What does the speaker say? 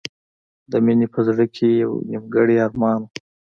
د مینې په زړه کې یو نیمګړی ارمان و